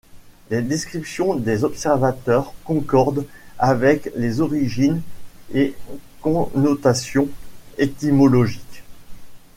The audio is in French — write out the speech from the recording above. Les descriptions des observateurs concordent avec les origines et connotations étymologiques.